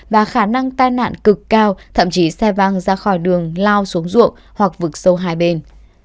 và khả năng tai nạn cực cao thậm chí xe văng ra khỏi đường lao xuống ruộng hoặc vực sâu hai bên